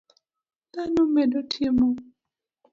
Dhano medo timo